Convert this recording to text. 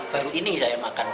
baru ini saya makan